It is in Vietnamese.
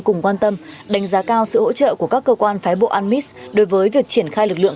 cùng quan tâm đánh giá cao sự hỗ trợ của các cơ quan phái bộ anmis đối với việc triển khai lực lượng